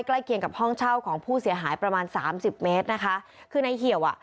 ใกล้เคียงกับห้องเช่าของผู้เสียหายประมาณสามสิบเมตรนะคะคือในเหี่ยวอ่ะ